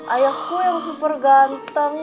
ayahku yang super ganteng